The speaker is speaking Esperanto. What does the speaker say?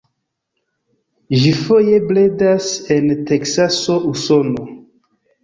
Ĝi foje bredas en Teksaso, Usono.